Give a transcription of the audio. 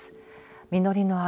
実りの秋。